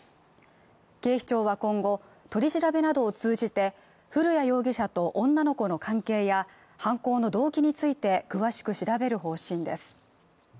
警視庁は今後取り調べなどを通じて古谷容疑者と女の子の関係や犯行の動機について詳しく調べる方針です